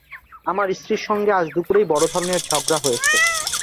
আমার স্ত্রীর সঙ্গে আজ দুপুরেই বড় ধরনের ঝগড়া হয়েছে।